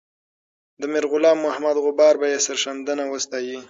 میرغلام محمد غبار به یې سرښندنه وستایي.